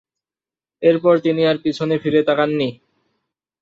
এরপর তিনি আর পিছনে ফিরে তাকাননি।